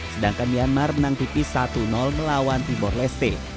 sedangkan myanmar menang tipis satu melawan timor leste